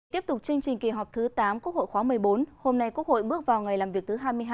tiếp tục chương trình kỳ họp thứ tám quốc hội khóa một mươi bốn hôm nay quốc hội bước vào ngày làm việc thứ hai mươi hai